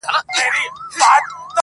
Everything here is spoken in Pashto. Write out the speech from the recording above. په روغتون کي شل پنځه ویشت شپې دېره سو!.